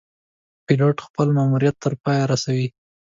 پیلوټ خپل ماموریت تر پایه رسوي.